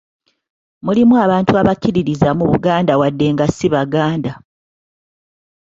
Mulimu abantu abakkiririza mu Buganda wadde nga si baganda .